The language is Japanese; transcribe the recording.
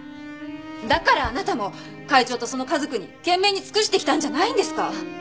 だからあなたも会長とその家族に懸命に尽くしてきたんじゃないんですか？